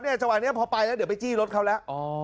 เนี่ยจังหวัดเนี่ยพอไปแล้วเดี๋ยวไปจี้รถเขาแล้วอ๋อ